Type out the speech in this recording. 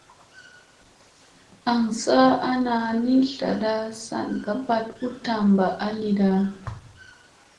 An saa ana ni zlara sana ngaɓat u tamba a lidada.